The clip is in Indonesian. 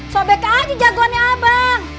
sobek aja jagoannya abang